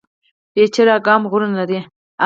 پچیر اګام غرونه لري؟